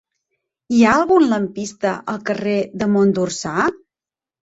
Hi ha algun lampista al carrer de Mont d'Orsà?